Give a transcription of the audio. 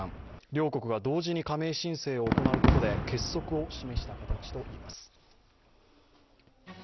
両国が同時に加盟申請を行うことで結束を示した形といえます。